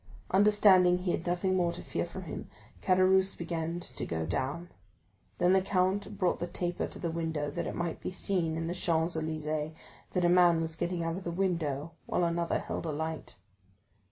Understanding he had nothing more to fear from him, Caderousse began to go down. Then the count brought the taper to the window, that it might be seen in the Champs Élysées that a man was getting out of the window while another held a light.